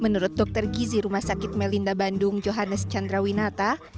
menurut dokter gizi rumah sakit melinda bandung johannes chandrawinata